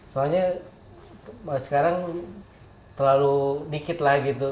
soalnya sekarang terlalu dikit lah gitu